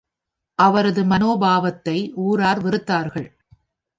அவரது மனோபாவத்தை ஊரார் வெறுத்தார்கள்.